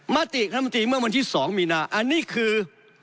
มาติขนาดมันตีเมื่อวันที่สองมีนาอันนี้คือ